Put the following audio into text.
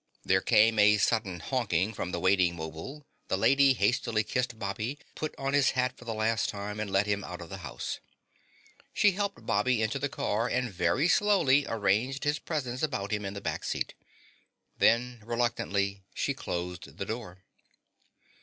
There came a sudden honking from the waiting 'mobile, the Lady hastily kissed Bobby, put on his hat for the last time, and led him out of the house. She helped Bobby into the car and very slowly arranged his presents about him in the back seat. Then, reluctantly, she closed the door.